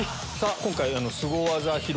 今回スゴ技披露